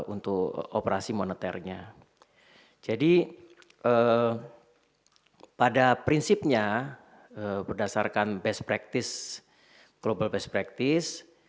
untuk operasi moneternya jadi pada prinsipnya berdasarkan best practice global best practice